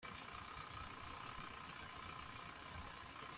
dore urutonde rwabantu nshaka gutumira mubukwe bwacu